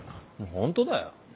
ホントだよ。